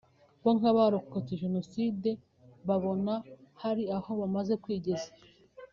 bo nk’abarokotse Jenoside babona hari aho bamaze kwigeza